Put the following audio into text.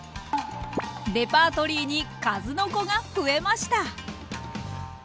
レパートリーに数の子が増えました！